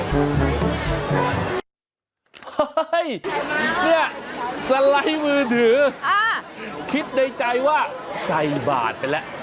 เนี่ยสไลด์มือถือคิดในใจว่าใส่บาทไปแล้ว